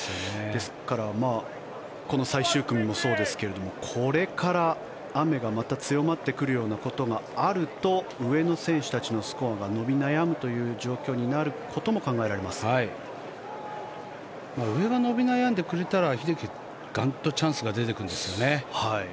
ですからこの最終組もそうですけどこれからまた雨が強まってくるようなことがあると上の選手たちのスコアが伸び悩むという状況になることも上が伸び悩んでくれたら英樹、ガンとチャンスが出てくるんですよね。